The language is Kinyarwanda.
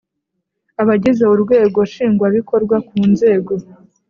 Abagize urwego Nshingwabikorwa ku nzego